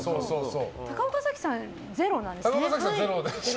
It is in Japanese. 高岡早紀さんは０なんですね。